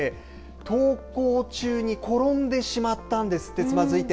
登校中に転んでしまったんですってつまずいて。